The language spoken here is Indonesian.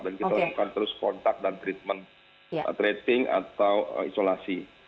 dan kita lakukan terus kontak dan treatment tracing atau isolasi